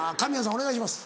お願いします。